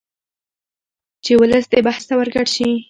چې ولس دې بحث ته ورګډ شي